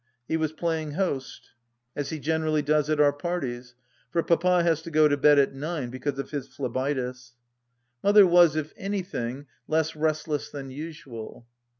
He was playing host, as he generally does at our parties, for Papa has to go to bed at nine, because of his phlebitis. Mother was, if anything, less restless than usual.